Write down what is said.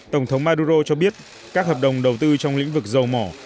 tổng thống maduro cho biết các hợp đồng đầu tư trong lĩnh vực dầu mỏ